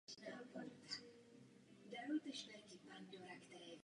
Prosím vás, abyste se přestal schovávat za Radu.